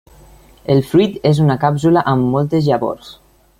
El fruit és una càpsula amb moltes llavors.